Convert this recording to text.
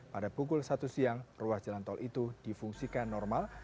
pada pukul satu siang ruas jalan tol itu difungsikan normal